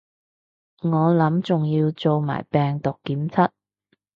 我諗仲要做埋病毒檢測